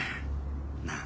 なあ